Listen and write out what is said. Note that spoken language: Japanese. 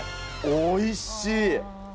おいしい。